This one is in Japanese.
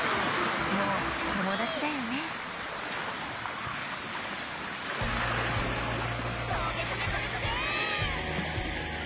もうともだちだよね「トゲトゲトゲトゲェー！！」